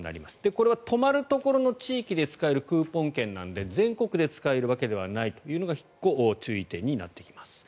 これは泊まるところの地域で使えるクーポン券なので全国で使えるわけではないというのが注意点になってきます。